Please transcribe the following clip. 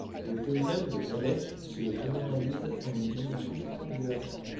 Le théorème de Thalès se généralise en dimension supérieure.